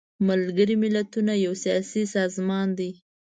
ملګري ملتونه یو سیاسي سازمان دی.